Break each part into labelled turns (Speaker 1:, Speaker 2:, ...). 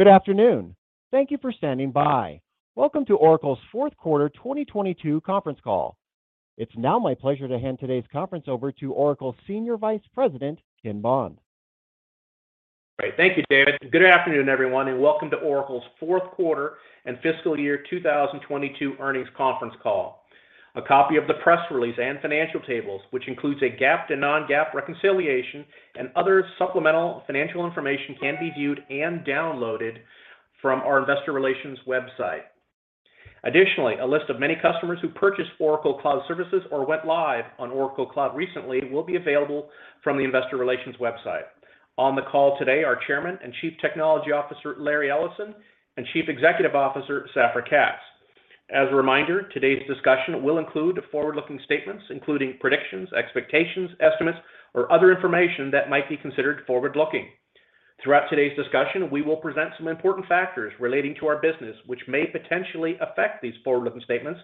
Speaker 1: Good afternoon. Thank you for standing by. Welcome to Oracle's fourth quarter 2022 conference call. It's now my pleasure to hand today's conference over to Oracle Senior Vice President, Ken Bond.
Speaker 2: Great. Thank you, David. Good afternoon, everyone, and welcome to Oracle's fourth quarter and fiscal year 2022 earnings conference call. A copy of the press release and financial tables, which includes a GAAP to non-GAAP reconciliation and other supplemental financial information, can be viewed and downloaded from our investor relations website. Additionally, a list of many customers who purchased Oracle Cloud services or went live on Oracle Cloud recently will be available from the investor relations website. On the call today are Chairman and Chief Technology Officer, Larry Ellison, and Chief Executive Officer, Safra Catz. As a reminder, today's discussion will include forward-looking statements, including predictions, expectations, estimates, or other information that might be considered forward-looking. Throughout today's discussion, we will present some important factors relating to our business which may potentially affect these forward-looking statements.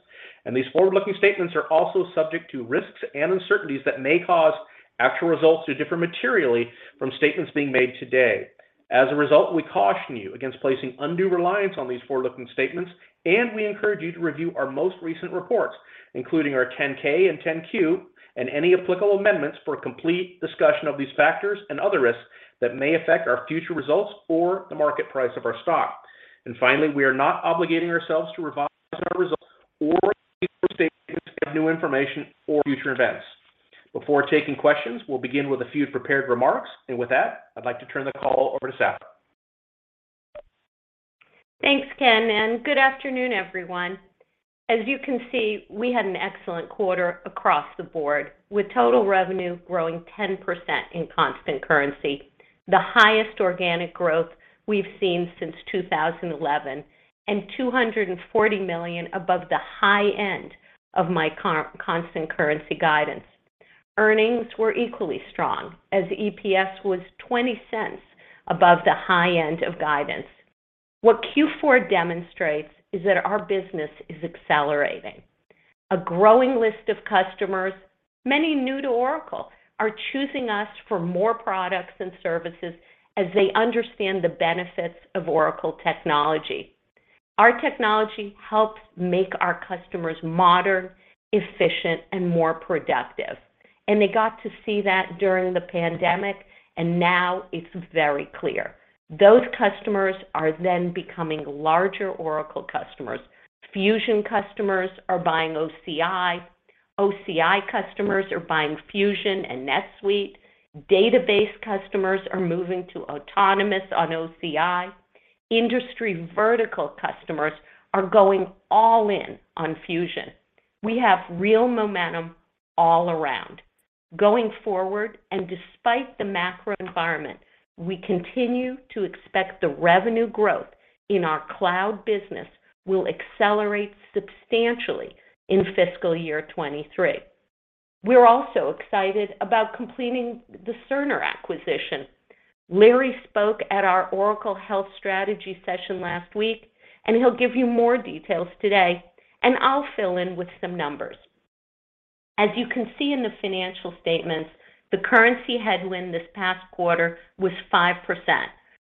Speaker 2: These forward-looking statements are also subject to risks and uncertainties that may cause actual results to differ materially from statements being made today. As a result, we caution you against placing undue reliance on these forward-looking statements, and we encourage you to review our most recent reports, including our 10-K and 10-Q and any applicable amendments for a complete discussion of these factors and other risks that may affect our future results or the market price of our stock. Finally, we are not obligating ourselves to revise our results or these statements based on new information or future events. Before taking questions, we'll begin with a few prepared remarks. With that, I'd like to turn the call over to Safra.
Speaker 3: Thanks, Ken, and good afternoon, everyone. As you can see, we had an excellent quarter across the board, with total revenue growing 10% in constant currency, the highest organic growth we've seen since 2011, and $240 million above the high end of my constant currency guidance. Earnings were equally strong as EPS was $0.20 above the high end of guidance. What Q4 demonstrates is that our business is accelerating. A growing list of customers, many new to Oracle, are choosing us for more products and services as they understand the benefits of Oracle technology. Our technology helps make our customers modern, efficient, and more productive, and they got to see that during the pandemic, and now it's very clear. Those customers are then becoming larger Oracle customers. Fusion customers are buying OCI. OCI customers are buying Fusion and NetSuite. Database customers are moving to Autonomous on OCI. Industry vertical customers are going all in on Fusion. We have real momentum all around. Going forward, and despite the macro environment, we continue to expect the revenue growth in our cloud business will accelerate substantially in fiscal year 2023. We're also excited about completing the Cerner acquisition. Larry spoke at our Oracle Health Strategy session last week, and he'll give you more details today, and I'll fill in with some numbers. As you can see in the financial statements, the currency headwind this past quarter was 5%,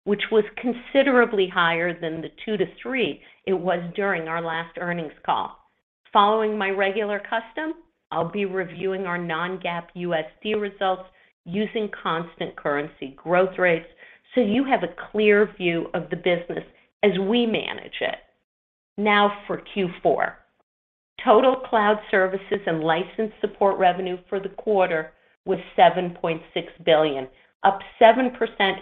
Speaker 3: which was considerably higher than the 2%-3% it was during our last earnings call. Following my regular custom, I'll be reviewing our non-GAAP USD results using constant currency growth rates so you have a clear view of the business as we manage it. Now for Q4. Total cloud services and license support revenue for the quarter was $7.6 billion, up 7%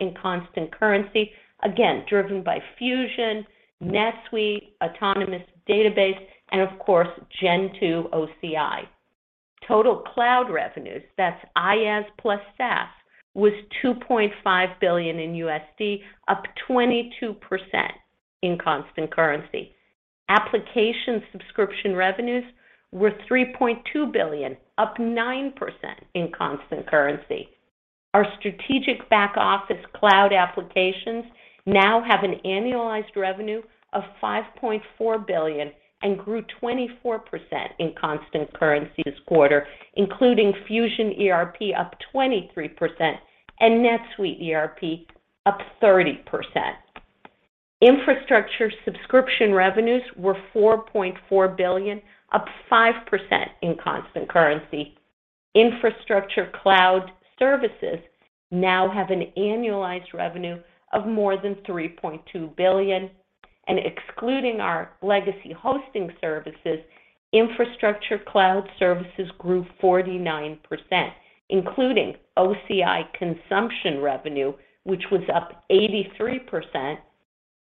Speaker 3: in constant currency, again, driven by Fusion, NetSuite, Autonomous Database, and of course, Gen 2 OCI. Total cloud revenues, that's IaaS plus SaaS, was $2.5 billion in USD, up 22% in constant currency. Application subscription revenues were $3.2 billion, up 9% in constant currency. Our strategic back office cloud applications now have an annualized revenue of $5.4 billion and grew 24% in constant currency this quarter, including Fusion ERP up 23% and NetSuite ERP up 30%. Infrastructure subscription revenues were $4.4 billion, up 5% in constant currency. Infrastructure cloud services now have an annualized revenue of more than $3.2 billion. Excluding our legacy hosting services, infrastructure cloud services grew 49%, including OCI consumption revenue, which was up 83%,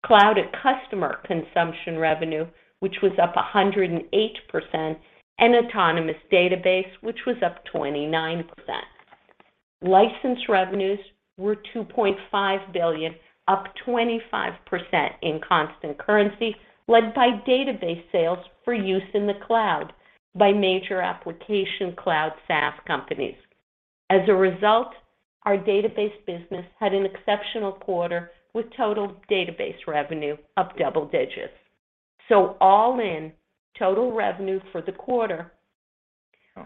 Speaker 3: Cloud@Customer consumption revenue, which was up 108%, and Autonomous Database, which was up 29%. License revenues were $2.5 billion, up 25% in constant currency, led by database sales for use in the cloud by major application cloud SaaS companies. As a result, our database business had an exceptional quarter with total database revenue up double digits. All in, total revenue for the quarter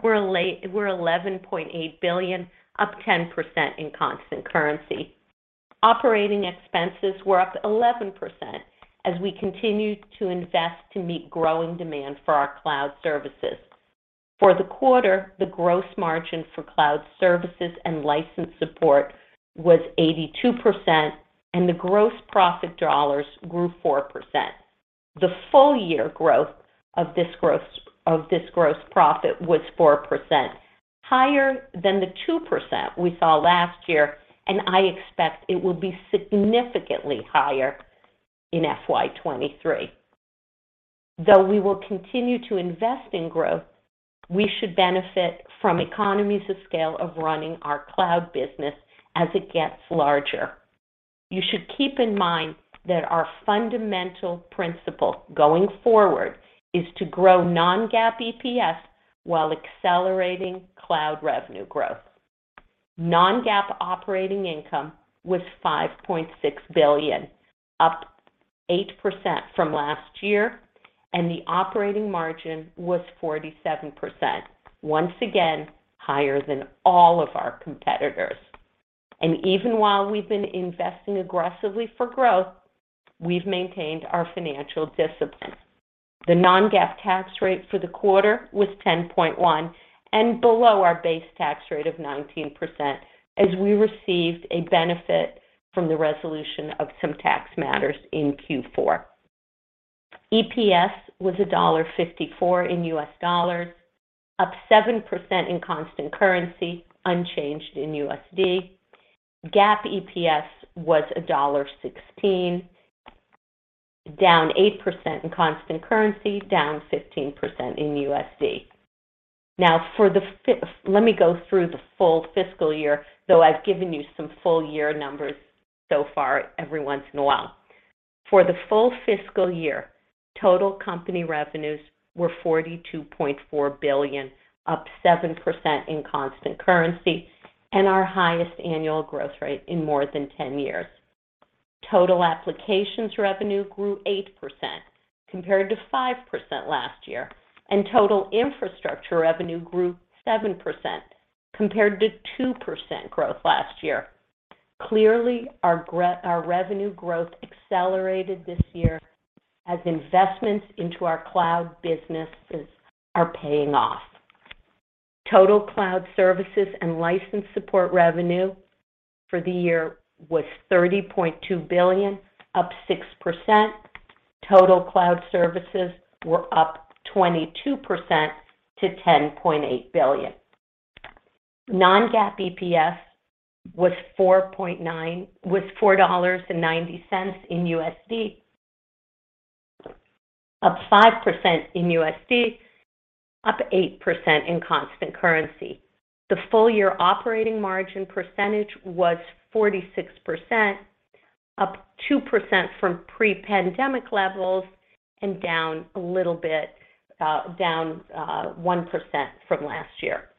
Speaker 3: was $11.8 billion, up 10% in constant currency. Operating expenses were up 11% as we continued to invest to meet growing demand for our cloud services. For the quarter, the gross margin for cloud services and license support was 82%, and the gross profit dollars grew 4%. The full year growth of this gross profit was 4%, higher than the 2% we saw last year, and I expect it will be significantly higher in FY 2023. Though we will continue to invest in growth, we should benefit from economies of scale of running our cloud business as it gets larger. You should keep in mind that our fundamental principle going forward is to grow non-GAAP EPS while accelerating cloud revenue growth. Non-GAAP operating income was $5.6 billion, up 8% from last year, and the operating margin was 47%, once again higher than all of our competitors. Even while we've been investing aggressively for growth, we've maintained our financial discipline. The non-GAAP tax rate for the quarter was 10.1% and below our base tax rate of 19% as we received a benefit from the resolution of some tax matters in Q4. EPS was $1.54 in U.S. dollars, up 7% in constant currency, unchanged in USD. GAAP EPS was $1.16, down 8% in constant currency, down 15% in USD. Let me go through the full fiscal year, though I've given you some full year numbers so far every once in a while. For the full fiscal year, total company revenues were $42.4 billion, up 7% in constant currency and our highest annual growth rate in more than 10 years. Total applications revenue grew 8% compared to 5% last year, and total infrastructure revenue grew 7% compared to 2% growth last year. Clearly, our revenue growth accelerated this year as investments into our cloud businesses are paying off. Total cloud services and license support revenue for the year was $30.2 billion, up 6%. Total cloud services were up 22% to $10.8 billion. Non-GAAP EPS was $4.90 in USD, up 5% in USD, up 8% in constant currency. The full-year operating margin percentage was 46%, up 2% from pre-pandemic levels and down a little bit, down 1% from last year.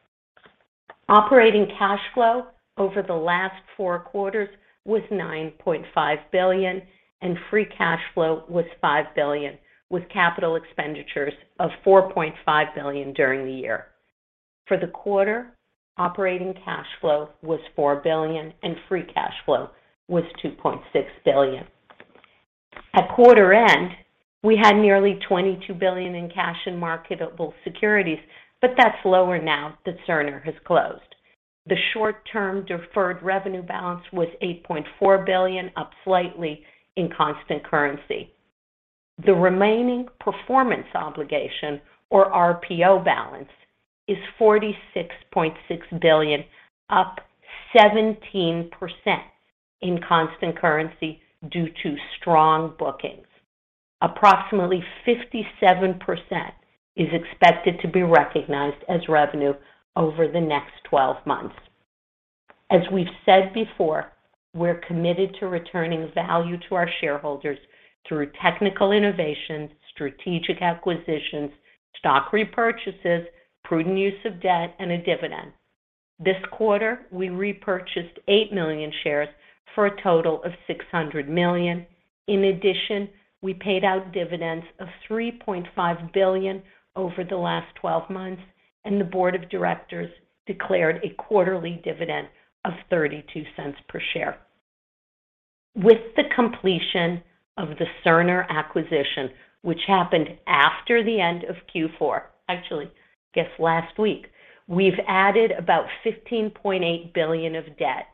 Speaker 3: Operating cash flow over the last four quarters was $9.5 billion, and free cash flow was $5 billion, with capital expenditures of $4.5 billion during the year. For the quarter, operating cash flow was $4 billion, and free cash flow was $2.6 billion. At quarter end, we had nearly $22 billion in cash and marketable securities, but that's lower now that Cerner has closed. The short-term deferred revenue balance was $8.4 billion, up slightly in constant currency. The remaining performance obligation or RPO balance is $46.6 billion, up 17% in constant currency due to strong bookings. Approximately 57% is expected to be recognized as revenue over the next 12 months. As we've said before, we're committed to returning value to our shareholders through technical innovations, strategic acquisitions, stock repurchases, prudent use of debt, and a dividend. This quarter, we repurchased 8 million shares for a total of $600 million. In addition, we paid out dividends of $3.5 billion over the last 12 months, and the board of directors declared a quarterly dividend of $0.32 per share. With the completion of the Cerner acquisition, which happened after the end of Q4, actually, I guess last week, we've added about $15.8 billion of debt,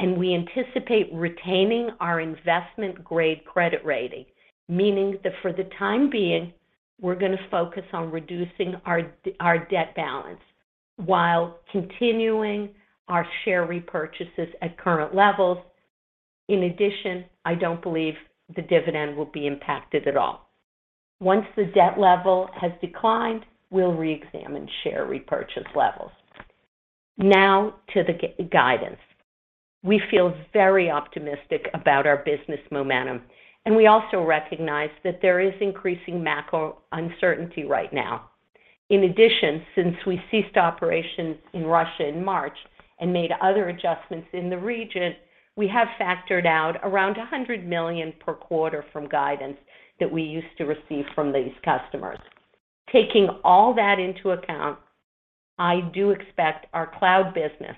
Speaker 3: and we anticipate retaining our investment-grade credit rating, meaning that for the time being, we're gonna focus on reducing our debt balance while continuing our share repurchases at current levels. In addition, I don't believe the dividend will be impacted at all. Once the debt level has declined, we'll reexamine share repurchase levels. Now to the guidance. We feel very optimistic about our business momentum, and we also recognize that there is increasing macro uncertainty right now. In addition, since we ceased operations in Russia in March and made other adjustments in the region, we have factored out around $100 million per quarter from guidance that we used to receive from these customers. Taking all that into account. I do expect our cloud business,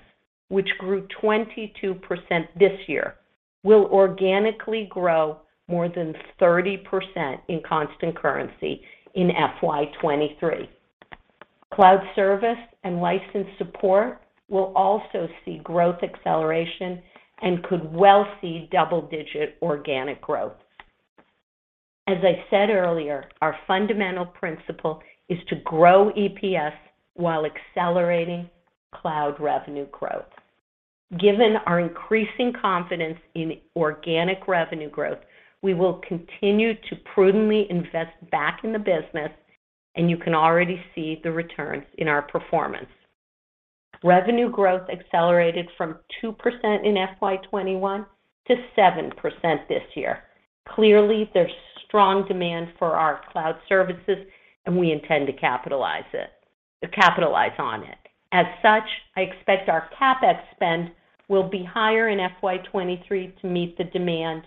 Speaker 3: which grew 22% this year, will organically grow more than 30% in constant currency in FY 2023. Cloud service and license support will also see growth acceleration and could well see double-digit organic growth. As I said earlier, our fundamental principle is to grow EPS while accelerating cloud revenue growth. Given our increasing confidence in organic revenue growth, we will continue to prudently invest back in the business, and you can already see the returns in our performance. Revenue growth accelerated from 2% in FY 2021 to 7% this year. Clearly, there's strong demand for our cloud services, and we intend to capitalize on it. As such, I expect our CapEx spend will be higher in FY 2023 to meet the demand.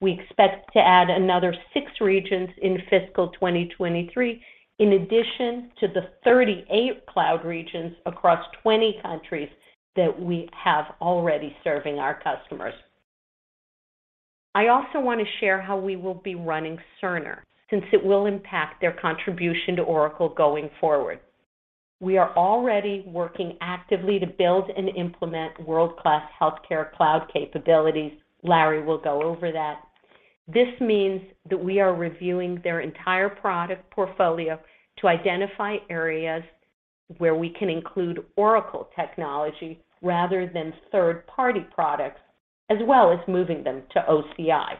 Speaker 3: We expect to add another six regions in fiscal 2023 in addition to the 38 cloud regions across 20 countries that we already have serving our customers. I also want to share how we will be running Cerner since it will impact their contribution to Oracle going forward. We are already working actively to build and implement world-class healthcare cloud capabilities. Larry will go over that. This means that we are reviewing their entire product portfolio to identify areas where we can include Oracle technology rather than third-party products, as well as moving them to OCI.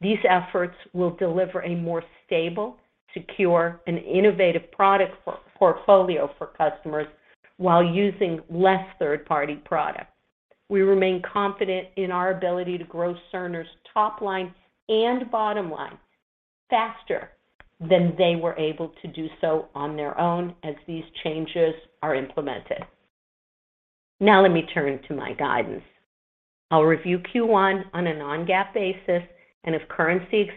Speaker 3: These efforts will deliver a more stable, secure, and innovative product portfolio for customers while using less third-party products. We remain confident in our ability to grow Cerner's top line and bottom line faster than they were able to do so on their own as these changes are implemented. Now let me turn to my guidance. I'll review Q1 on a non-GAAP basis, and if currency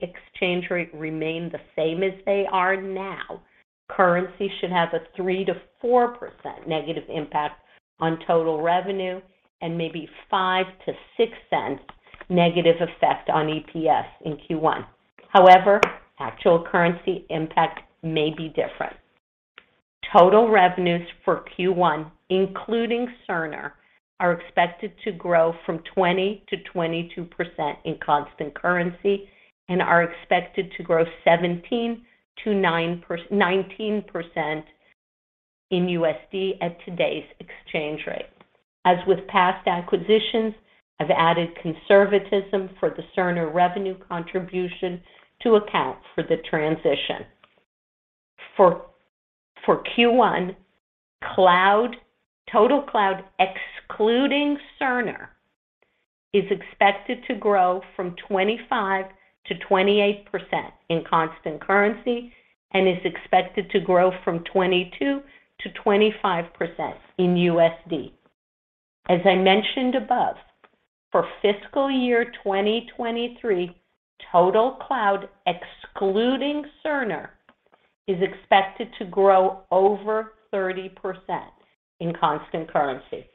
Speaker 3: exchange rates remain the same as they are now, currency should have a 3%-4% negative impact on total revenue and maybe $0.05-$0.06 negative effect on EPS in Q1. However, actual currency impact may be different. Total revenues for Q1, including Cerner, are expected to grow 20%-22% in constant currency and are expected to grow 17%-19% in USD at today's exchange rate. As with past acquisitions, I've added conservatism for the Cerner revenue contribution to account for the transition. For Q1, total cloud excluding Cerner is expected to grow from 25%-28% in constant currency and is expected to grow from 22%-25% in USD. As I mentioned above, for fiscal year 2023, total cloud excluding Cerner is expected to grow over 30% in constant currency.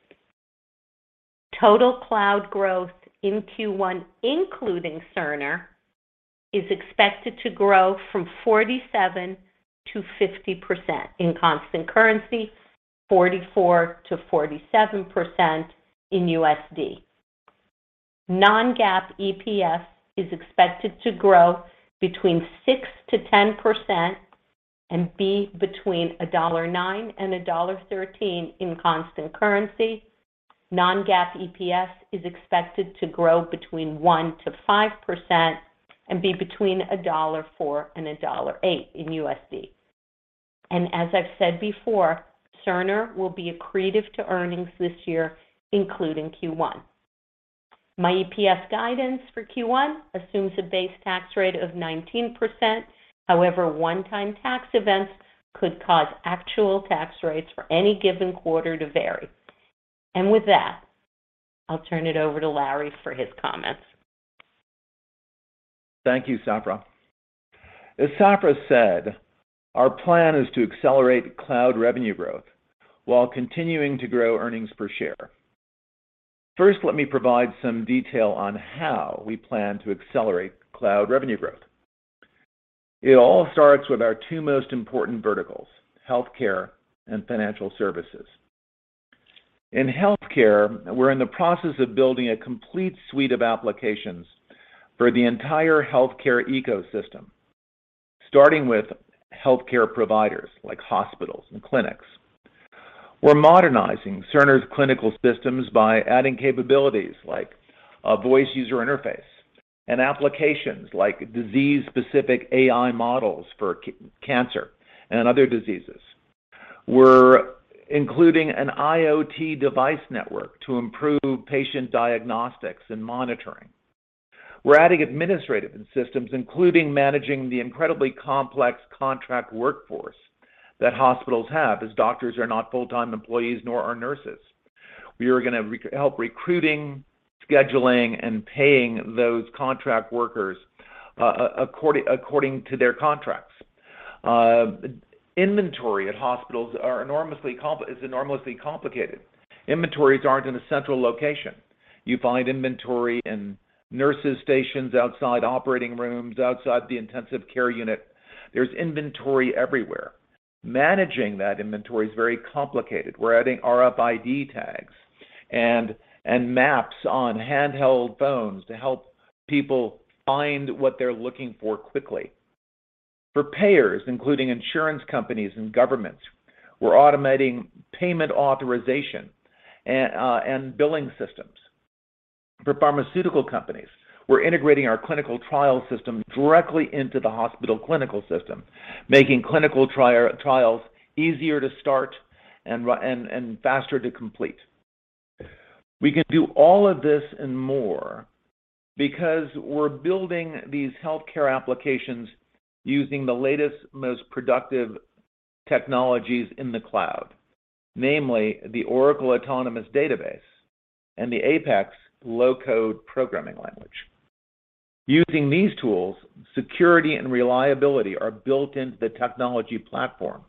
Speaker 3: Total cloud growth in Q1, including Cerner, is expected to grow from 47%-50% in constant currency, 44%-47% in USD. Non-GAAP EPS is expected to grow between 6%-10% and be between $1.09 and $1.13 in constant currency. Non-GAAP EPS is expected to grow between 1%-5% and be between $1.04 and $1.08 in USD. As I've said before, Cerner will be accretive to earnings this year, including Q1. My EPS guidance for Q1 assumes a base tax rate of 19%. However, one-time tax events could cause actual tax rates for any given quarter to vary. With that, I'll turn it over to Larry for his comments.
Speaker 4: Thank you, Safra. As Safra said, our plan is to accelerate cloud revenue growth while continuing to grow earnings per share. First, let me provide some detail on how we plan to accelerate cloud revenue growth. It all starts with our two most important verticals, healthcare and financial services. In healthcare, we're in the process of building a complete suite of applications for the entire healthcare ecosystem, starting with healthcare providers like hospitals and clinics. We're modernizing Cerner's clinical systems by adding capabilities like a voice user interface and applications like disease-specific AI models for cancer and other diseases. We're including an IoT device network to improve patient diagnostics and monitoring. We're adding administrative systems, including managing the incredibly complex contract workforce that hospitals have, as doctors are not full-time employees, nor are nurses. We are going to help recruiting, scheduling, and paying those contract workers according to their contracts. Inventory at hospitals is enormously complicated. Inventories aren't in a central location. You find inventory in nurses' stations, outside operating rooms, outside the intensive care unit. There's inventory everywhere. Managing that inventory is very complicated. We're adding RFID tags and maps on handheld phones to help people find what they're looking for quickly. For payers, including insurance companies and governments, we're automating payment authorization and billing systems. For pharmaceutical companies, we're integrating our clinical trial system directly into the hospital clinical system, making clinical trials easier to start and faster to complete. We can do all of this and more because we're building these healthcare applications using the latest, most productive technologies in the cloud, namely the Oracle Autonomous Database and the Oracle APEX low-code programming language. Using these tools, security and reliability are built into the technology platform,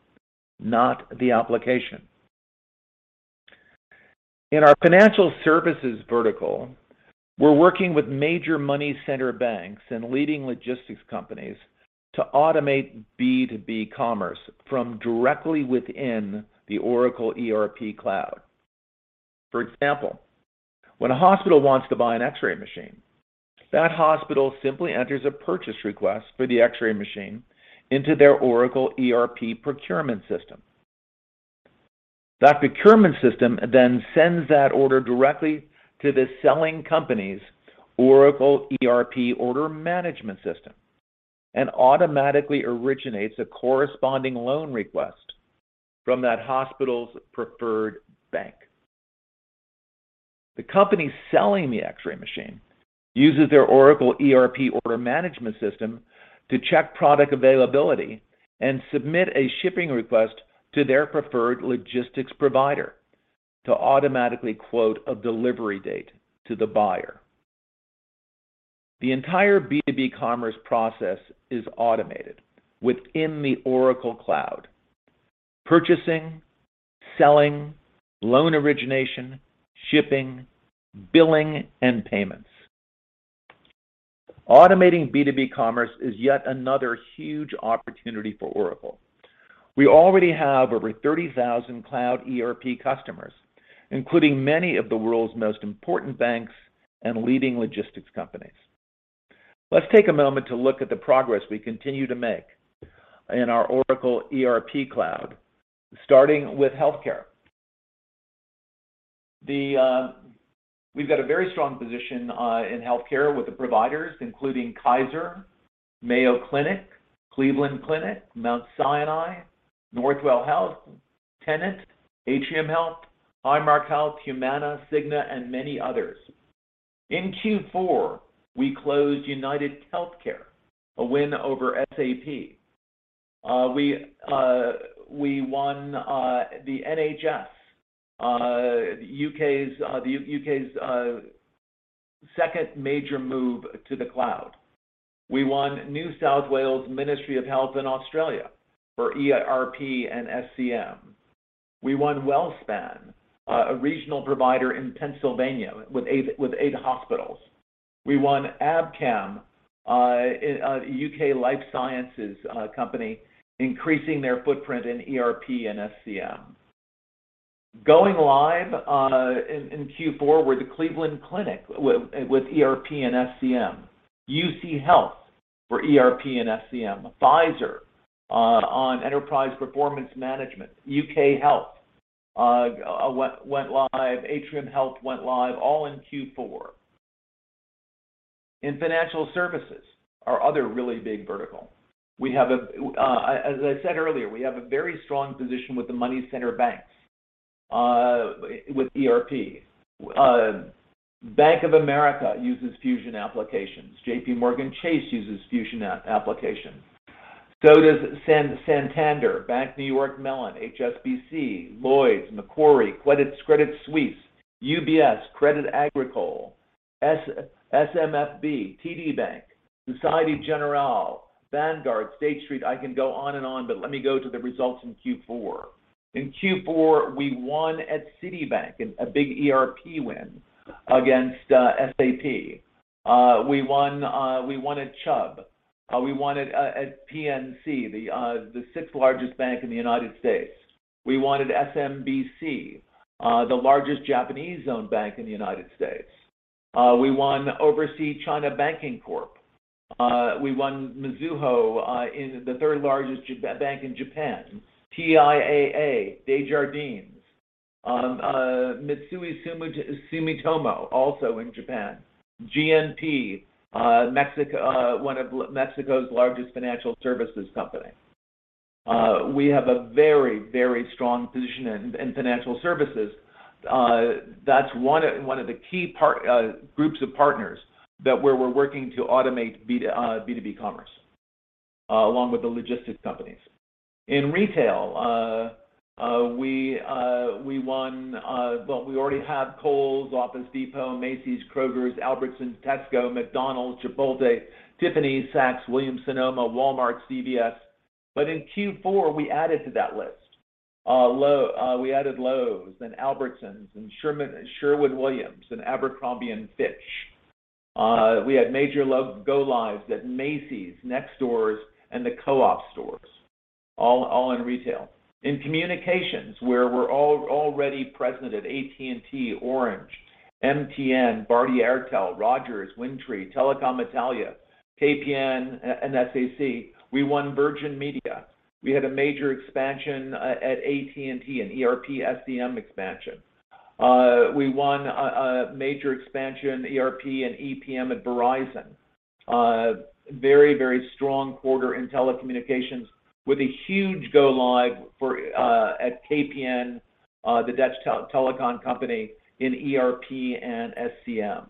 Speaker 4: not the application. In our financial services vertical, we're working with major money center banks and leading logistics companies to automate B2B commerce from directly within the Oracle ERP cloud. For example, when a hospital wants to buy an X-ray machine, that hospital simply enters a purchase request for the X-ray machine into their Oracle ERP procurement system. That procurement system then sends that order directly to the selling company's Oracle ERP order management system and automatically originates a corresponding loan request from that hospital's preferred bank. The company selling the X-ray machine uses their Oracle ERP order management system to check product availability and submit a shipping request to their preferred logistics provider to automatically quote a delivery date to the buyer. The entire B2B commerce process is automated within the Oracle Cloud. Purchasing, selling, loan origination, shipping, billing, and payments. Automating B2B commerce is yet another huge opportunity for Oracle. We already have over 30,000 cloud ERP customers, including many of the world's most important banks and leading logistics companies. Let's take a moment to look at the progress we continue to make in our Oracle ERP cloud, starting with healthcare. We've got a very strong position in healthcare with the providers, including Kaiser, Mayo Clinic, Cleveland Clinic, Mount Sinai, Northwell Health, Tenet, Atrium Health, Highmark Health, Humana, Cigna, and many others. In Q4 we closed UnitedHealthcare, a win over SAP. We won the NHS, U.K.'s second major move to the cloud. We won NSW Ministry of Health in Australia for ERP and SCM. We won WellSpan Health, a regional provider in Pennsylvania with 8 hospitals. We won Abcam, a U.K. life sciences company, increasing their footprint in ERP and SCM. Going live in Q4 were the Cleveland Clinic with ERP and SCM, UC Health for ERP and SCM, Pfizer on Enterprise Performance Management. U.K. Health went live. Atrium Health went live, all in Q4. In financial services, our other really big vertical, as I said earlier, we have a very strong position with the money center banks with ERP. Bank of America uses Fusion applications. JPMorgan Chase uses Fusion applications. Does Santander, Bank of New York Mellon, HSBC, Lloyds, Macquarie, Credit Suisse, UBS, Crédit Agricole, SMBC, TD Bank, Société Générale, Vanguard, State Street. I can go on and on, but let me go to the results in Q4. In Q4 we won at Citibank, a big ERP win against SAP. We won at Chubb. We won at PNC, the sixth-largest bank in the United States. We won at SMBC, the largest Japanese-owned bank in the United States. We won Oversea-Chinese Banking Corp. We won Mizuho, the third-largest bank in Japan. TIAA, Desjardins, Mitsui Sumitomo, also in Japan. GNP, one of Mexico's largest financial services company. We have a very strong position in financial services. That's one of the key partner groups of partners that we're working to automate B2B commerce. Along with the logistics companies. In retail, we already have Kohl's, Office Depot, Macy's, Kroger's, Albertsons, Tesco, McDonald's, Chipotle, Tiffany's, Saks, Williams Sonoma, Walmart, CVS. In Q4, we added to that list. We added Lowe's, then Albertsons, and Sherwin-Williams, and Abercrombie & Fitch. We had major go-lives at Macy's, Next, and the Co-op stores, all in retail. In communications, where we're already present at AT&T, Orange, MTN, Bharti Airtel, Rogers, Wind Tre, Telecom Italia, KPN, and stc, we won Virgin Media. We had a major expansion at AT&T, an ERP SCM expansion. We won a major expansion, ERP and EPM at Verizon. Very strong quarter in telecommunications with a huge go live for at KPN, the Dutch telecom company in ERP and SCM.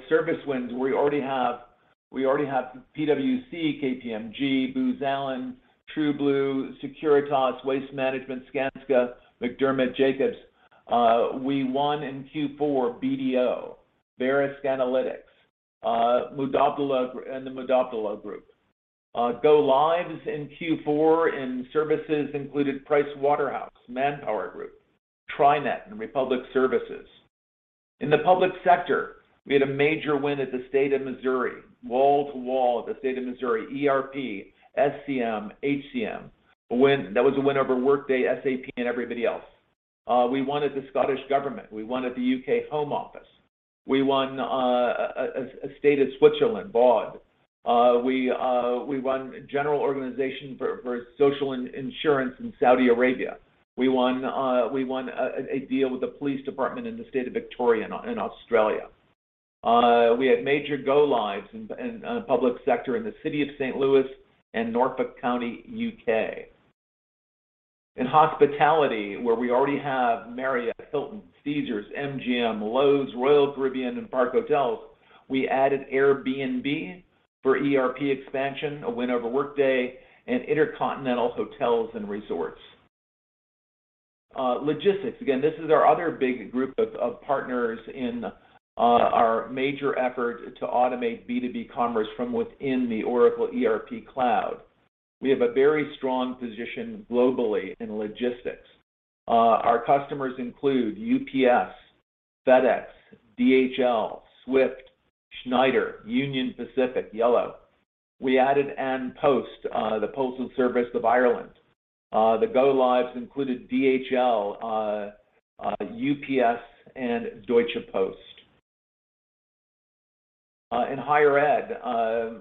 Speaker 4: Service wins, we already have PwC, KPMG, Booz Allen, TrueBlue, Securitas, Waste Management, Skanska, McDermott, Jacobs. We won in Q4, BDO, Verisk Analytics, and the Mubadala Group. Go lives in Q4 in services included PricewaterhouseCoopers, ManpowerGroup, TriNet, and Republic Services. In the public sector, we had a major win at the state of Missouri, wall to wall at the state of Missouri, ERP, SCM, HCM. That was a win over Workday, SAP, and everybody else. We won at the Scottish Government. We won at the UK Home Office. We won a state of Switzerland, Vaud. We won General Organization for Social Insurance in Saudi Arabia. We won a deal with the police department in the state of Victoria in Australia. We had major go lives in the public sector in the city of St. Louis and Norfolk County, U.K. In hospitality, where we already have Marriott, Hilton, Caesars, MGM, Loews, Royal Caribbean, and Park Hotels, we added Airbnb for ERP expansion, a win over Workday, and InterContinental Hotels & Resorts. Logistics, again, this is our other big group of partners in our major effort to automate B2B commerce from within the Oracle ERP cloud. We have a very strong position globally in logistics. Our customers include UPS, FedEx, DHL, Swift, Schneider, Union Pacific, Yellow. We added An Post, the Postal Service of Ireland. The go lives included DHL, UPS, and Deutsche Post. In higher ed,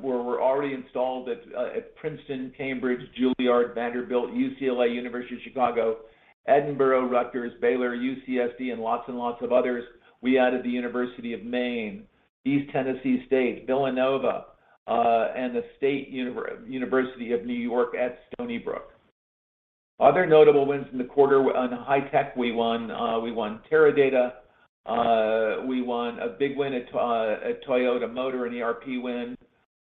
Speaker 4: where we're already installed at Princeton, Cambridge, Juilliard, Vanderbilt, UCLA, University of Chicago, Edinburgh, Rutgers, Baylor, UCSD, and lots and lots of others, we added the University of Maine, East Tennessee State, Villanova, and the State University of New York at Stony Brook. Other notable wins in the quarter. On high tech, we won Teradata. We won a big win at Toyota Motor, an ERP win,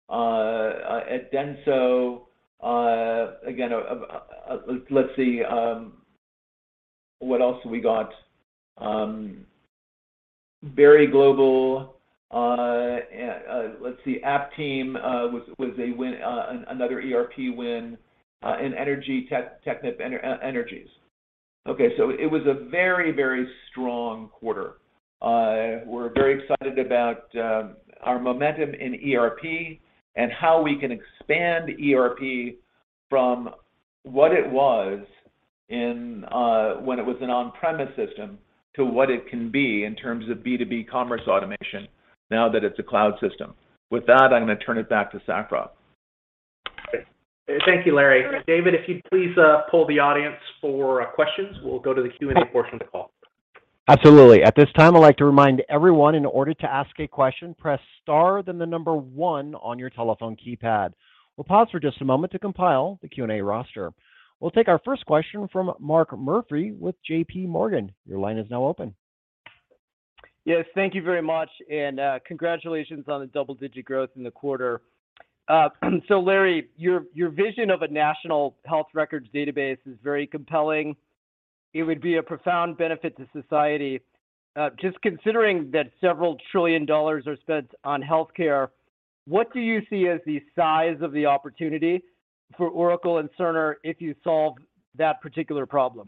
Speaker 4: at Denso. Again, let's see, what else have we got? Very global, let's see, Aptean was a win, another ERP win, in energy, Technip Energies. Okay, so it was a very, very strong quarter. We're very excited about our momentum in ERP and how we can expand ERP from what it was in when it was an on-premise system to what it can be in terms of B2B commerce automation now that it's a cloud system. With that, I'm gonna turn it back to Safra Catz.
Speaker 2: Thank you, Larry. David, if you'd please, poll the audience for questions, we'll go to the Q&A portion of the call.
Speaker 1: Absolutely. At this time, I'd like to remind everyone in order to ask a question, press star then the number one on your telephone keypad. We'll pause for just a moment to compile the Q&A roster. We'll take our first question from Mark Murphy with JPMorgan. Your line is now open.
Speaker 5: Yes. Thank you very much, and, congratulations on the double-digit growth in the quarter. Larry, your vision of a national health records database is very compelling. It would be a profound benefit to society. Just considering that several trillion dollars are spent on health care, what do you see as the size of the opportunity for Oracle and Cerner if you solve that particular problem?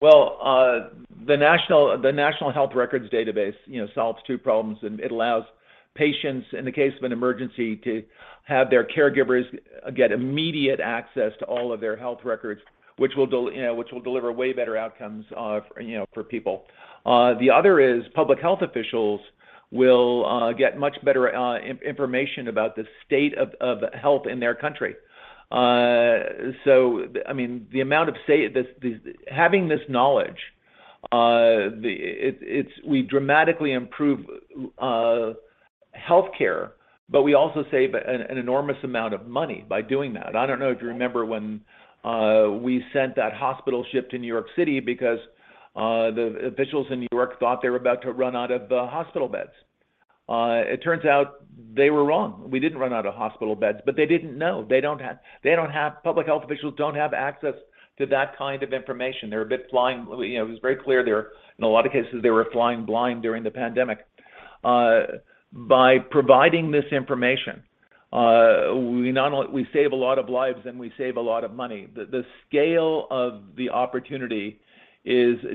Speaker 5: Well, the National Health Records database, you know, solves two problems, and it allows patients, in the case of an emergency, to have their caregivers get immediate access to all of their health records, which will deliver way better outcomes, you know, for people. The other is public health officials will get much better information about the state of health in their country.
Speaker 4: I mean, having this knowledge, we dramatically improve healthcare, but we also save an enormous amount of money by doing that. I don't know if you remember when we sent that hospital ship to New York City because the officials in New York thought they were about to run out of hospital beds. It turns out they were wrong. We didn't run out of hospital beds, but they didn't know. They don't have. Public health officials don't have access to that kind of information. You know, it was very clear they were, in a lot of cases, flying blind during the pandemic. By providing this information, we save a lot of lives and we save a lot of money. The scale of the opportunity is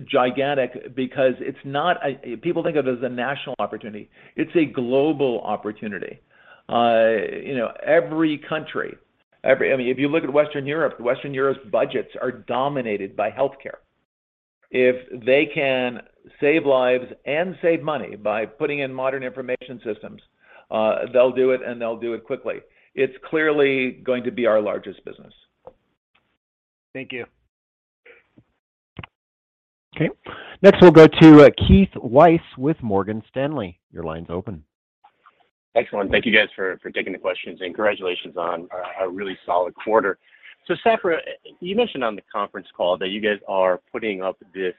Speaker 4: gigantic because it's not. People think of it as a national opportunity. It's a global opportunity. You know, every country, I mean, if you look at Western Europe, Western Europe's budgets are dominated by healthcare. If they can save lives and save money by putting in modern information systems, they'll do it, and they'll do it quickly. It's clearly going to be our largest business.
Speaker 5: Thank you.
Speaker 1: Okay. Next we'll go to Keith Weiss with Morgan Stanley. Your line's open.
Speaker 6: Excellent. Thank you guys for taking the questions and congratulations on a really solid quarter. Safra, you mentioned on the conference call that you guys are putting up this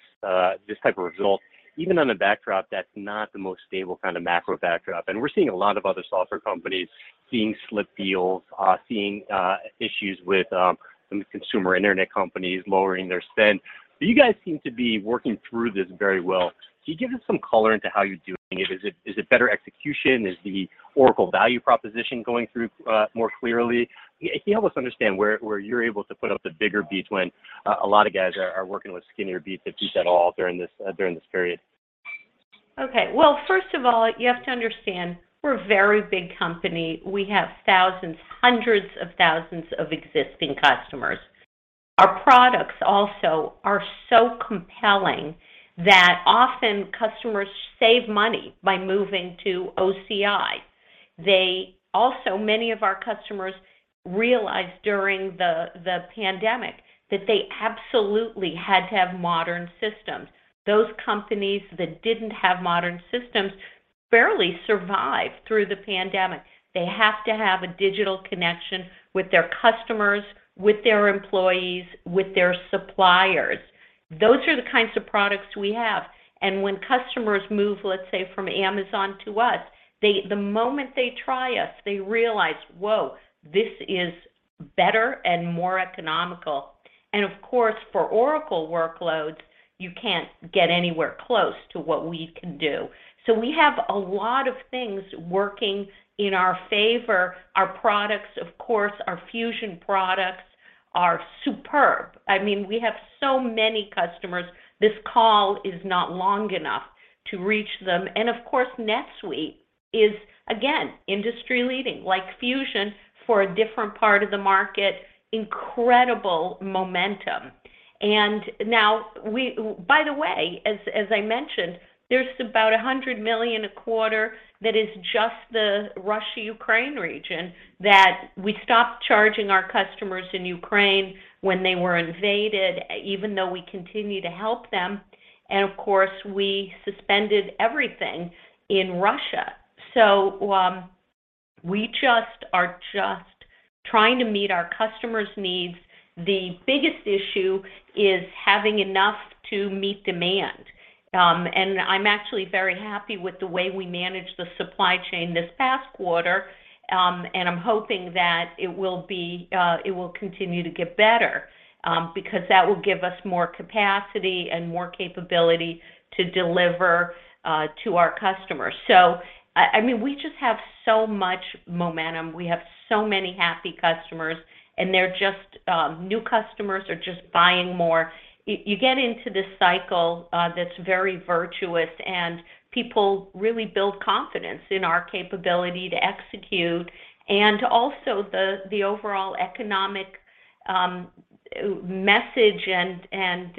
Speaker 6: type of result even on a backdrop that's not the most stable kind of macro backdrop, and we're seeing a lot of other software companies seeing slipped deals, seeing issues with some consumer internet companies lowering their spend. You guys seem to be working through this very well. Can you give us some color into how you're doing it? Is it better execution? Is the Oracle value proposition going through more clearly? Can you help us understand where you're able to put up the bigger beats when a lot of guys are working with skinnier beats, if beats at all, during this period?
Speaker 3: Okay. Well, first of all, you have to understand we're a very big company. We have thousands, hundreds of thousands of existing customers. Our products also are so compelling that often customers save money by moving to OCI. They also, many of our customers realized during the pandemic that they absolutely had to have modern systems. Those companies that didn't have modern systems barely survived through the pandemic. They have to have a digital connection with their customers, with their employees, with their suppliers. Those are the kinds of products we have, and when customers move, let's say, from Amazon to us, they, the moment they try us, they realize, "Whoa, this is better and more economical." Of course, for Oracle workloads, you can't get anywhere close to what we can do. We have a lot of things working in our favor. Our products, of course, our Fusion products are superb. I mean, we have so many customers, this call is not long enough to reach them. Of course, NetSuite is, again, industry-leading, like Fusion for a different part of the market. Incredible momentum. By the way, as I mentioned, there's about $100 million a quarter that is just the Russia-Ukraine region that we stopped charging our customers in Ukraine when they were invaded, even though we continue to help them, and of course, we suspended everything in Russia. We are just trying to meet our customers' needs. The biggest issue is having enough to meet demand. I'm actually very happy with the way we managed the supply chain this past quarter. I'm hoping that it will continue to get better because that will give us more capacity and more capability to deliver to our customers. I mean, we just have so much momentum. We have so many happy customers, and they're just new customers are just buying more. You get into this cycle that's very virtuous and people really build confidence in our capability to execute and also the overall economic message and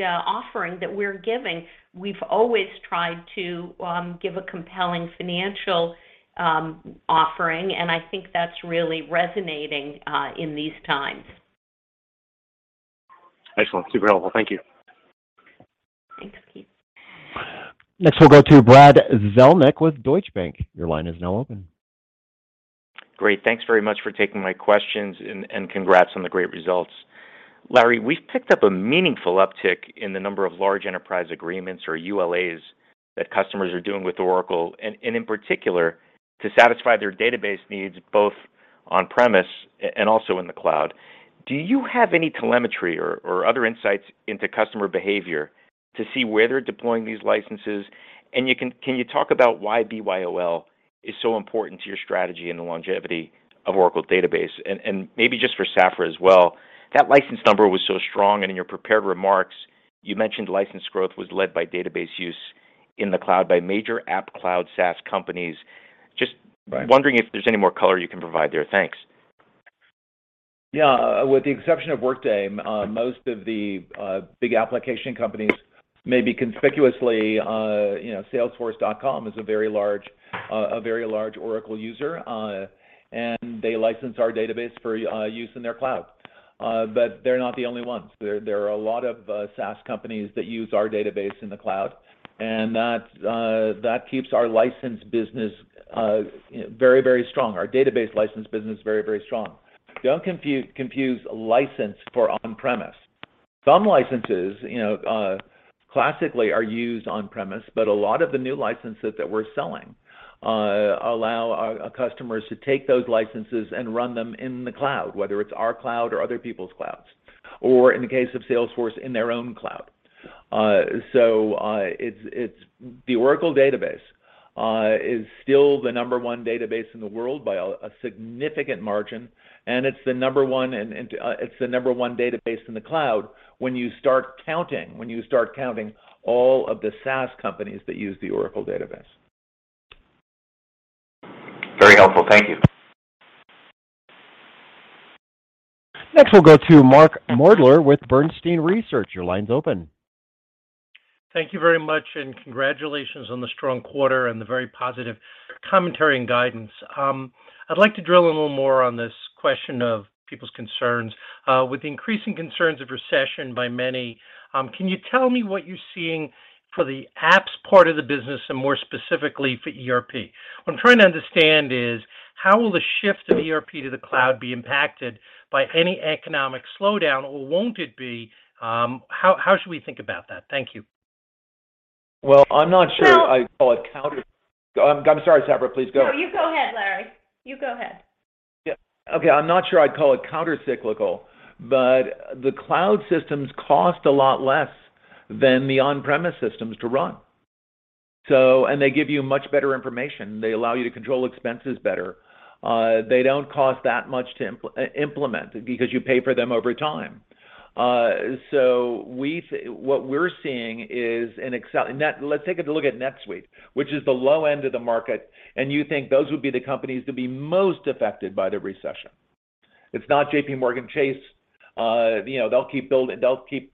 Speaker 3: offering that we're giving. We've always tried to give a compelling financial offering, and I think that's really resonating in these times.
Speaker 6: Excellent. Super helpful. Thank you.
Speaker 3: Thanks, Keith.
Speaker 1: Next we'll go to Brad Zelnick with Deutsche Bank. Your line is now open.
Speaker 7: Great. Thanks very much for taking my questions and congrats on the great results. Larry, we've picked up a meaningful uptick in the number of large enterprise agreements or ULAs that customers are doing with Oracle, and in particular, to satisfy their database needs both on-premise and also in the cloud. Do you have any telemetry or other insights into customer behavior to see where they're deploying these licenses? Can you talk about why BYOL is so important to your strategy and the longevity of Oracle Database? Maybe just for Safra as well, that license number was so strong, and in your prepared remarks, you mentioned license growth was led by database use in the cloud by major app cloud SaaS companies.
Speaker 4: Right. Yeah, with the exception of Workday, most of the big application companies, maybe conspicuously, you know, Salesforce.com is a very large Oracle user, and they license our database for use in their cloud. They're not the only ones. There are a lot of SaaS companies that use our database in the cloud, and that keeps our license business very, very strong. Our database license business very, very strong. Don't confuse license for on-premise. Some licenses, you know, classically are used on-premise, but a lot of the new licenses that we're selling allow our customers to take those licenses and run them in the cloud, whether it's our cloud or other people's clouds. In the case of Salesforce, in their own cloud. It's. The Oracle Database is still the number one database in the world by a significant margin, and it's the number one database in the cloud when you start counting all of the SaaS companies that use the Oracle Database.
Speaker 7: Very helpful. Thank you.
Speaker 1: Next, we'll go to Mark Moerdler with Bernstein Research. Your line's open.
Speaker 8: Thank you very much, and congratulations on the strong quarter and the very positive commentary and guidance. I'd like to drill a little more on this question of people's concerns. With the increasing concerns of recession by many, can you tell me what you're seeing for the apps part of the business and more specifically for ERP? What I'm trying to understand is, how will the shift of ERP to the cloud be impacted by any economic slowdown or won't it be? How should we think about that? Thank you.
Speaker 4: Well, I'm not sure I'd call it counter-
Speaker 3: Well-
Speaker 4: I'm sorry, Safra. Please go.
Speaker 3: No, you go ahead, Larry. You go ahead.
Speaker 4: Yeah. Okay, I'm not sure I'd call it counter-cyclical, but the cloud systems cost a lot less than the on-premise systems to run. They give you much better information. They allow you to control expenses better. They don't cost that much to implement because you pay for them over time. What we're seeing is, let's take a good look at NetSuite, which is the low end of the market, and you think those would be the companies to be most affected by the recession. It's not JPMorgan Chase. You know, they'll keep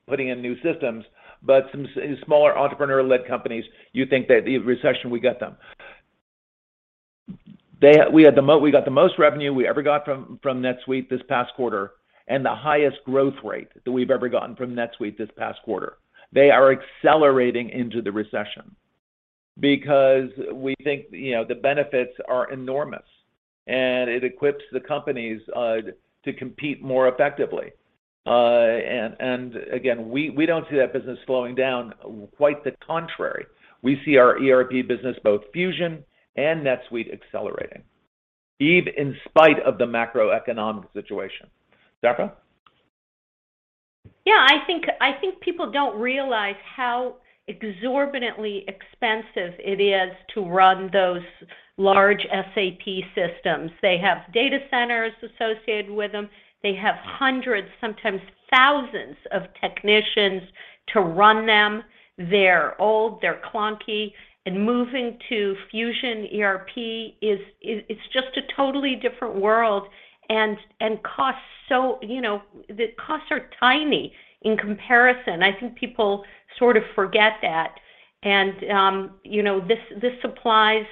Speaker 4: putting in new systems, but some smaller entrepreneur-led companies, you think that the recession would get them. We got the most revenue we ever got from NetSuite this past quarter, and the highest growth rate that we've ever gotten from NetSuite this past quarter. They are accelerating into the recession because we think, you know, the benefits are enormous and it equips the companies to compete more effectively. Again, we don't see that business slowing down, quite the contrary. We see our ERP business, both Fusion and NetSuite, accelerating even in spite of the macroeconomic situation. Safra?
Speaker 3: Yeah. I think people don't realize how exorbitantly expensive it is to run those large SAP systems. They have data centers associated with them. They have hundreds, sometimes thousands of technicians to run them. They're old, they're clunky, and moving to Fusion ERP is. It's just a totally different world and costs so. You know, the costs are tiny in comparison. I think people sort of forget that. You know, this applies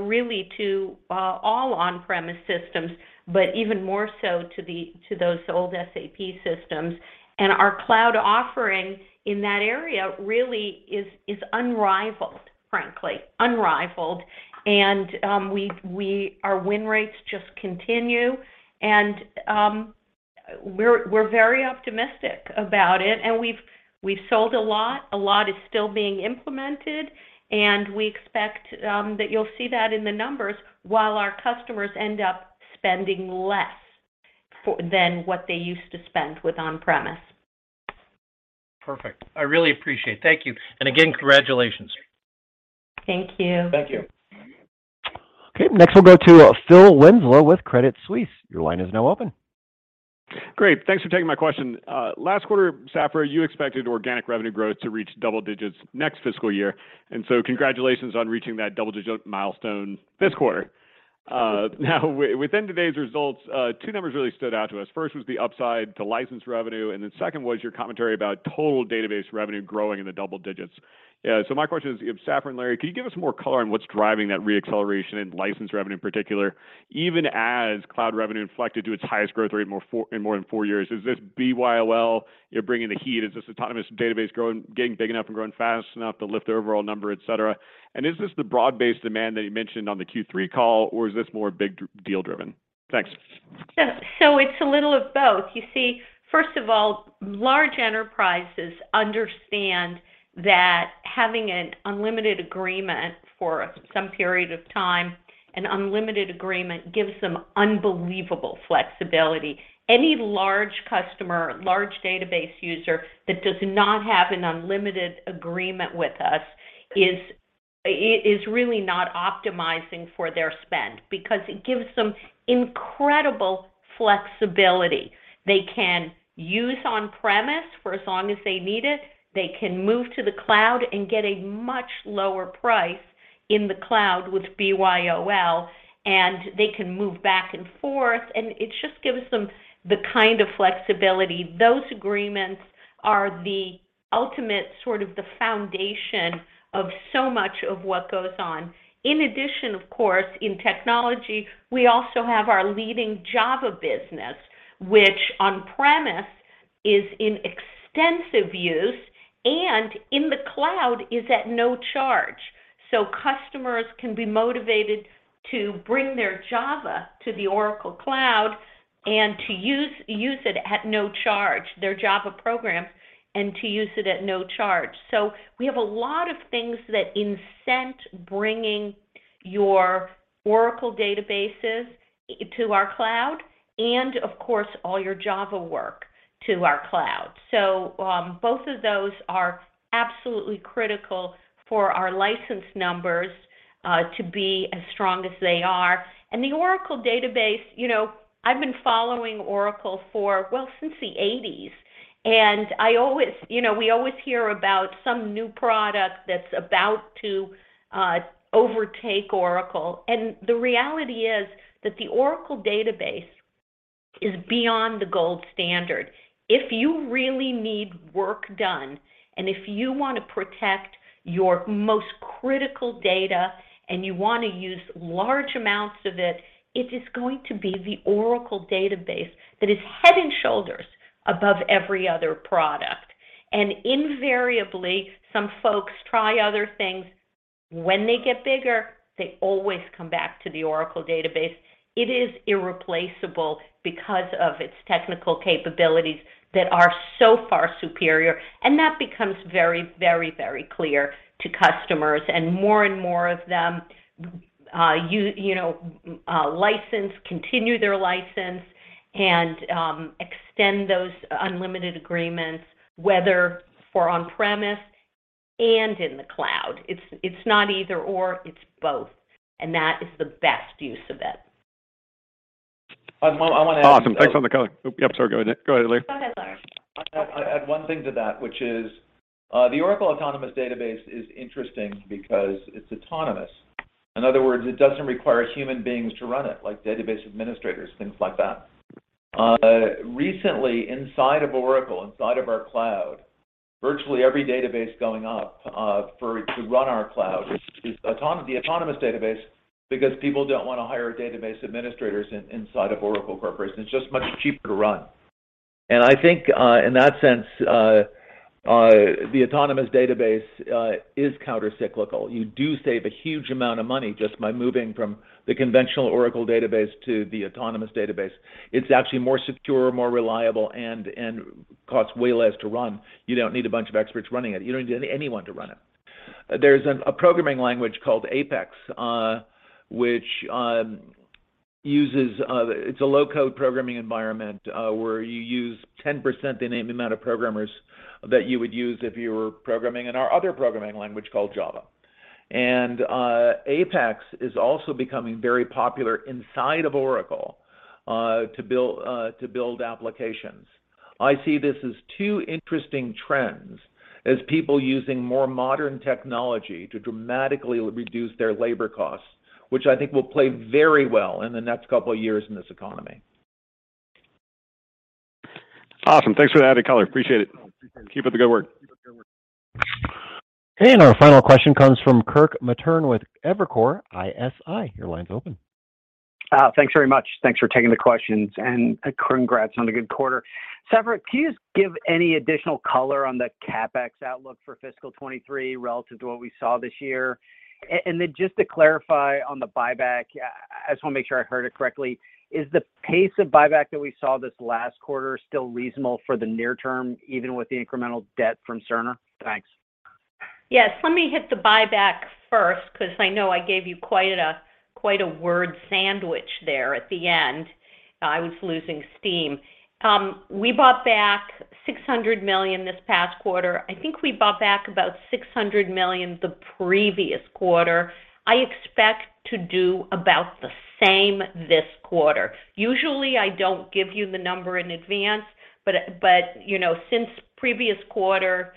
Speaker 3: really to all on-premise systems, but even more so to those old SAP systems. Our cloud offering in that area really is unrivaled, frankly. Unrivaled. Our win rates just continue and we're very optimistic about it and we've sold a lot. A lot is still being implemented and we expect that you'll see that in the numbers while our customers end up spending less than what they used to spend with on-premise.
Speaker 8: Perfect. I really appreciate it. Thank you. Again, congratulations.
Speaker 3: Thank you.
Speaker 4: Thank you.
Speaker 1: Okay. Next we'll go to Phil Winslow with Credit Suisse. Your line is now open.
Speaker 9: Great. Thanks for taking my question. Last quarter, Safra, you expected organic revenue growth to reach double digits next fiscal year. Congratulations on reaching that double-digit milestone this quarter. Now within today's results, two numbers really stood out to us. First was the upside to license revenue, and then second was your commentary about total database revenue growing in the double digits. My question is, Safra and Larry, could you give us more color on what's driving that re-acceleration in license revenue in particular, even as cloud revenue inflected to its highest growth rate in more than four years? Is this BYOL, you're bringing the heat? Is this autonomous database growing, getting big enough and growing fast enough to lift the overall number, et cetera? Is this the broad-based demand that you mentioned on the Q3 call or is this more big deal driven? Thanks.
Speaker 3: It's a little of both. You see, first of all, large enterprises understand that having an unlimited agreement for some period of time, an unlimited agreement gives them unbelievable flexibility. Any large customer, large database user that does not have an unlimited agreement with us is really not optimizing for their spend because it gives them incredible flexibility. They can use on-premise for as long as they need it. They can move to the cloud and get a much lower price in the cloud with BYOL, and they can move back and forth, and it just gives them the kind of flexibility. Those agreements are the ultimate sort of the foundation of so much of what goes on. In addition, of course, in technology, we also have our leading Java business, which on-premise is in extensive use and in the cloud is at no charge. Customers can be motivated to bring their Java to the Oracle Cloud and to use it at no charge, their Java program, and to use it at no charge. We have a lot of things that incent bringing your Oracle databases to our cloud and of course, all your Java work to our cloud. Both of those are absolutely critical for our license numbers to be as strong as they are. The Oracle Database, you know, I've been following Oracle since the eighties, and I always we always hear about some new product that's about to overtake Oracle. The reality is that the Oracle Database is beyond the gold standard. If you really need work done, and if you want to protect your most critical data, and you want to use large amounts of it is going to be the Oracle Database that is head and shoulders above every other product. Invariably, some folks try other things. When they get bigger, they always come back to the Oracle Database. It is irreplaceable because of its technical capabilities that are so far superior, and that becomes very, very, very clear to customers. More and more of them, you know, license, continue their license, and extend those unlimited agreements, whether for on-premises and in the cloud. It's not either/or, it's both, and that is the best use of it.
Speaker 4: I want to add.
Speaker 9: Awesome. Thanks for the color. Oops, yeah, sorry, go ahead, Larry.
Speaker 3: Go ahead, Larry.
Speaker 4: I'll add one thing to that, which is, the Oracle Autonomous Database is interesting because it's autonomous. In other words, it doesn't require human beings to run it, like database administrators, things like that. Recently, inside of Oracle, inside of our cloud, virtually every database going up to run our cloud is the autonomous database because people don't want to hire database administrators inside of Oracle Corporation. It's just much cheaper to run. I think, in that sense, the autonomous database is countercyclical. You do save a huge amount of money just by moving from the conventional Oracle Database to the autonomous database. It's actually more secure, more reliable, and costs way less to run. You don't need a bunch of experts running it. You don't need anyone to run it. There's a programming language called APEX, which is a low-code programming environment, where you use 10% the same amount of programmers that you would use if you were programming in our other programming language called Java. APEX is also becoming very popular inside of Oracle to build applications. I see this as two interesting trends as people using more modern technology to dramatically reduce their labor costs, which I think will play very well in the next couple of years in this economy.
Speaker 9: Awesome. Thanks for the added color. Appreciate it. Keep up the good work.
Speaker 1: Our final question comes from Kirk Materne with Evercore ISI. Your line's open.
Speaker 10: Thanks very much. Thanks for taking the questions, and congrats on a good quarter. Safra, can you just give any additional color on the CapEx outlook for fiscal 2023 relative to what we saw this year? Just to clarify on the buyback, I just want to make sure I heard it correctly, is the pace of buyback that we saw this last quarter still reasonable for the near term, even with the incremental debt from Cerner? Thanks.
Speaker 3: Yes. Let me hit the buyback first, because I know I gave you quite a word sandwich there at the end. I was losing steam. We bought back $600 million this past quarter. I think we bought back about $600 million the previous quarter. I expect to do about the same this quarter. Usually, I don't give you the number in advance, but you know, since previous quarter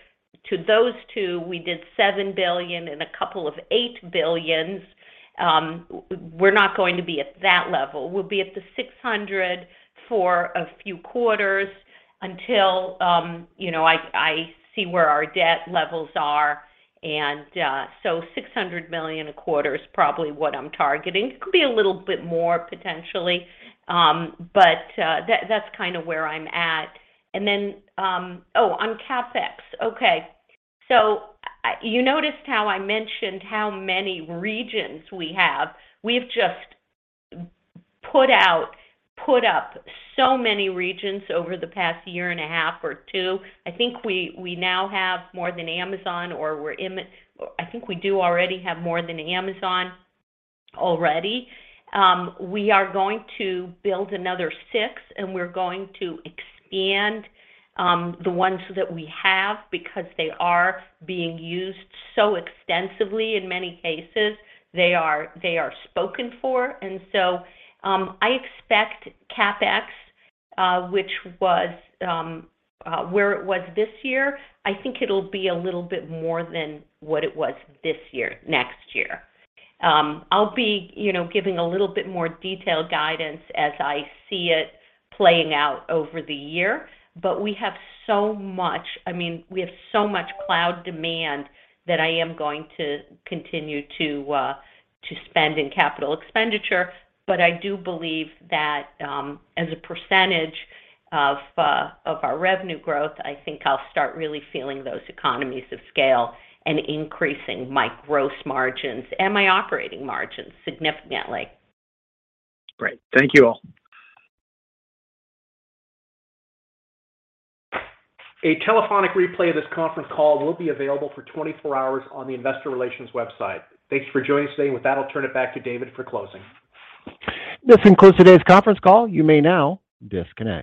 Speaker 3: to those two, we did $7 billion and a couple of $8 billions, we're not going to be at that level. We'll be at the $600 million for a few quarters until you know, I see where our debt levels are. Six hundred million a quarter is probably what I'm targeting. It could be a little bit more potentially, but that's kind of where I'm at. On CapEx. You noticed how I mentioned how many regions we have. We've just put up so many regions over the past year and a half or two. I think we now have more than Amazon. I think we do already have more than Amazon already. We are going to build another six, and we're going to expand the ones that we have because they are being used so extensively in many cases. They are spoken for. I expect CapEx, which was where it was this year. I think it'll be a little bit more than what it was this year, next year. I'll be, you know, giving a little bit more detailed guidance as I see it playing out over the year, but we have so much cloud demand that I am going to continue to spend in capital expenditure. I do believe that, as a percentage of our revenue growth, I think I'll start really feeling those economies of scale and increasing my gross margins and my operating margins significantly.
Speaker 10: Great. Thank you all.
Speaker 1: A telephonic replay of this conference call will be available for 24 hours on the investor relations website. Thanks for joining us today. With that, I'll turn it back to David for closing. This concludes today's conference call. You may now disconnect.